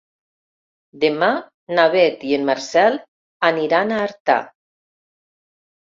Demà na Beth i en Marcel aniran a Artà.